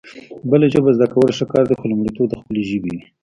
بله ژبه زده کول ښه کار دی خو لومړيتوب د خپلې ژبې وي